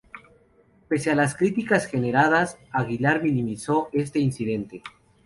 Pese a las críticas generadas, Aguilar minimizó este incidente.